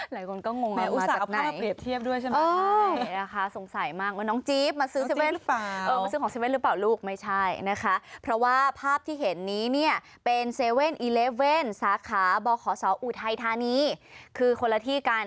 หลายคนก็งงมาจากไหนแมวอุตส่าห์เอาข้าวมาเปรียบเทียบด้วยใช่ไหม